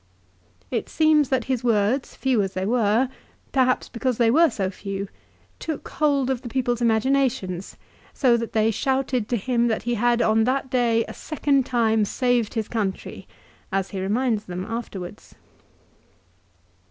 It seems that his words, few as they were, perhaps because they were so few, took hold of the people's imaginations ; so that they shouted to him that he had on that day a second time saved his country, as he reminds them afterwards.